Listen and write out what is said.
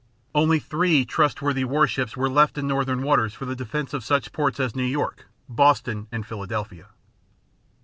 Only three trustworthy warships were left in Northern waters for the defense of such ports as New York, Boston and Philadelphia.